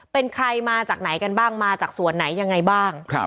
เป็นใครมาจากไหนกันบ้างมาจากส่วนไหนยังไงบ้าง